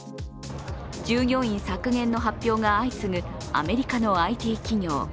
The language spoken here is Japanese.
従業員削減の発表が相次ぐアメリカのＩＴ企業。